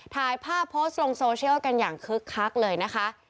ถ่ายภาพโพสต์ลงโซเชียลกันอย่างคึกคักเลยนะคะ